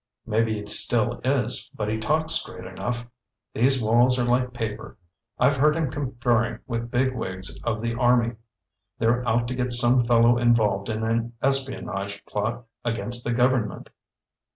"Maybe he still is, but he talks straight enough. These walls are like paper. I've heard him conferring with big wigs of the Army. They're out to get some fellow involved in an espionage plot against the government."